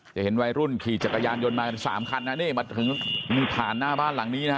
เห็นวัยรุ่นขี่จักรยานยนต์มากันสามคันนะนี่มาถึงนี่ผ่านหน้าบ้านหลังนี้นะฮะ